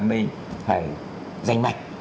mình phải dành mạch